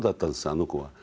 あの子は。